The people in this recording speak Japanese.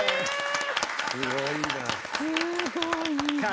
すごいな。